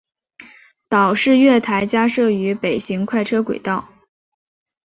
岛式月台加设于北行快车轨道。